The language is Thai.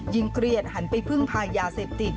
เครียดหันไปพึ่งพายาเสพติด